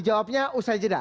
di jawabnya usai jeda